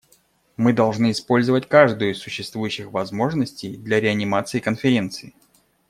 Мы должны использовать каждую из существующих возможностей для реанимации Конференции.